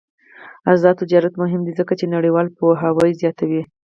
آزاد تجارت مهم دی ځکه چې نړیوال پوهاوی زیاتوي.